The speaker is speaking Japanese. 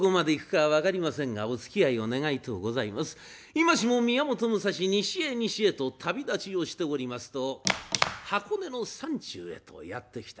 今しも宮本武蔵西へ西へと旅立ちをしておりますと箱根の山中へとやって来た。